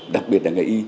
đặc biệt là nghề y